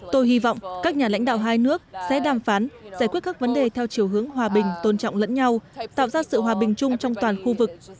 tôi hy vọng các nhà lãnh đạo hai nước sẽ đàm phán giải quyết các vấn đề theo chiều hướng hòa bình tôn trọng lẫn nhau tạo ra sự hòa bình chung trong toàn khu vực